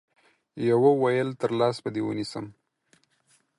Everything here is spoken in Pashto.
يوه ويل تر لاس به دي ونيسم